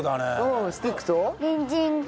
うんスティックと？